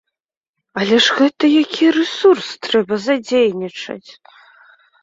Але гэта ж які рэсурс трэба задзейнічаць!